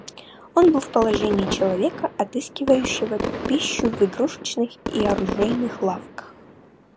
Он был в положении человека, отыскивающего пищу в игрушечных и оружейных лавках.